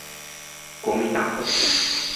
國民大會